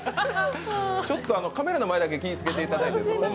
ちょっとカメラの前だけ気をつけていただいて。